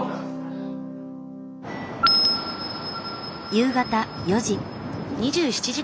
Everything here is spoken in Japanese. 夕方４時。